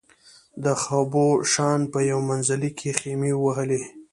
د خبوشان په یو منزلي کې خېمې ووهلې.